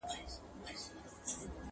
• يار دي مي تور جت وي، زما دي اسراحت وي.